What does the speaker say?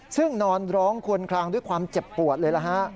ซึ่งนอนร้องควนคลางด้วยความเจ็บปวดเลยนะฮะ